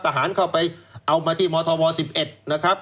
ทหารเข้าไปเอามาที่มธม๑๑นะครับ